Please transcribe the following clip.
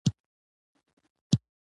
دولت زموږ لوټلو ته ملا تړلې ده.